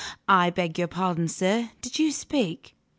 I beg your pardon, sir, did you speak?